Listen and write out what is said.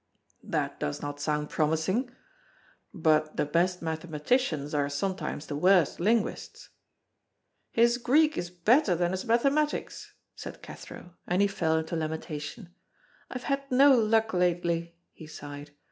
"That does not sound promising. But the best mathematicians are sometimes the worst linguists." "His Greek is better than his mathematics," said Cathro, and he fell into lamentation. "I have had no luck lately," he sighed.